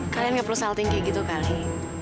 kalian ga perlu salting kayak gitu kali